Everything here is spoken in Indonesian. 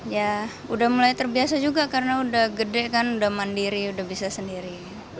ya udah mulai terbiasa juga karena udah gede kan udah mandiri udah bisa sendiri